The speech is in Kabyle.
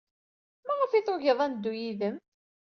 Maɣef ay tugiḍ ad neddu yid-m?